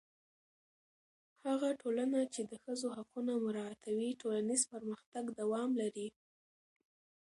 هغه ټولنه چې د ښځو حقونه مراعتوي، ټولنیز پرمختګ دوام لري.